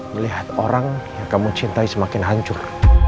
melihat orang yang kamu cintai semakin hancur